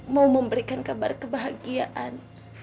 mau memberikan kabar kebahagiaan